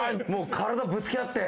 体ぶつけ合って。